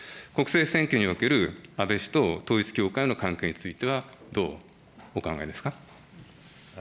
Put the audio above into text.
国政選挙における安倍氏と統一教会の関係については、どうお考えですか。